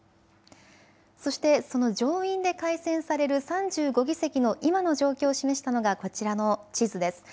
そしてその上院で改選される３５議席の今の状況を示したのがこちらの地図です。